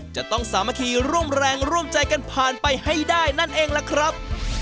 จะต้องสามัคคีร่วมแรงร่วมใจกันผ่านไปให้ได้นั่นเองล่ะครับ